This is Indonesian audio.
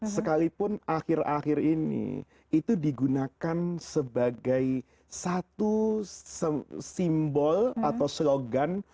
sekalipun akhir akhir ini itu digunakan sebagai satu simbol atau slogan